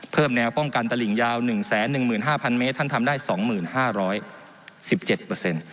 แนวป้องกันตลิ่งยาว๑๑๕๐๐เมตรท่านทำได้๒๕๑๗เปอร์เซ็นต์